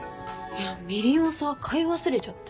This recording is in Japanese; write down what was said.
みりんをさ買い忘れちゃって。